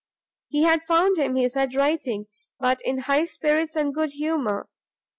He had found him, he said, writing, but in high spirits and good humour.